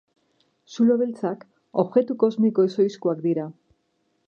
Zulo beltzak objektu kosmiko ezohikoak dira.